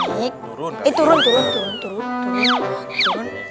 eh turun turun turun